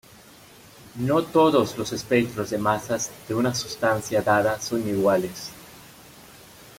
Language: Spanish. No todos los espectros de masas de una sustancia dada son iguales.